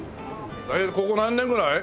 ここ何年ぐらい？